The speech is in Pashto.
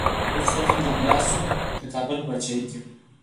اوس چی حکم د ملا شو، د کابل په با چايې کی